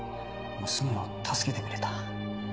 娘を助けてくれた。